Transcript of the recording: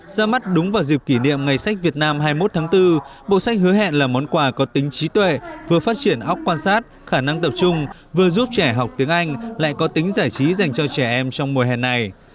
ra mắt đúng vào dịp kỷ niệm ngày sách việt nam hai mươi một tháng bốn bộ sách hứa hẹn là món quà có tính trí tuệ vừa phát triển ốc quan sát khả năng tập trung vừa giúp trẻ học tiếng anh lại có tính giải trí dành cho trẻ em trong mùa hè này